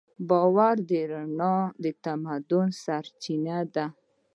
دا باور د تمدن د رڼا سرچینه ده.